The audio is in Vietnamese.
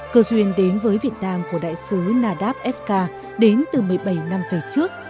câu chuyện đến với việt nam của đại sứ nadav eskar đến từ một mươi bảy năm về trước